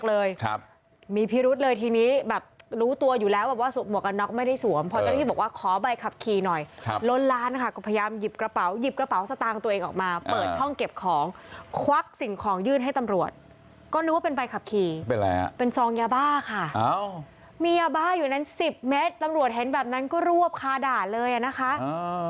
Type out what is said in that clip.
คือหลายคนก็ไม่ได้คุ้นเคยกับการปฏิบัติงานของเจ้าหน้าที่ตำรวจอะไรแบบนี้